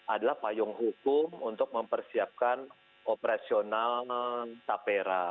adalah payung hukum untuk mempersiapkan operasional tapera